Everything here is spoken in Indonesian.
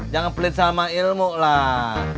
jangan pelit sama ilmu lah